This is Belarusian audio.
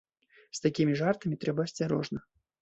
З такімі жартамі трэба асцярожна.